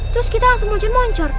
terus kita langsung muncul moncor